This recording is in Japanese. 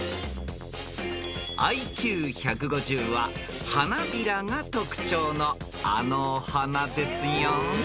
［ＩＱ１５０は花びらが特徴のあのお花ですよ］